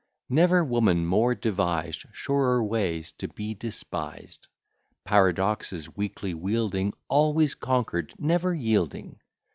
Never woman more devised Surer ways to be despised; Paradoxes weakly wielding, Always conquer'd, never yielding.